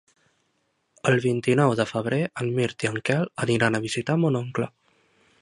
El vint-i-nou de febrer en Mirt i en Quel aniran a visitar mon oncle.